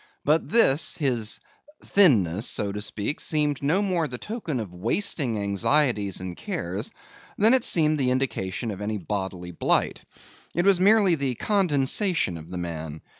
But this, his thinness, so to speak, seemed no more the token of wasting anxieties and cares, than it seemed the indication of any bodily blight. It was merely the condensation of the man.